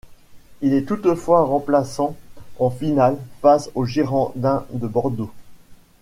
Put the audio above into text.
Il est toutefois remplaçant en finale face au Girondins de Bordeaux.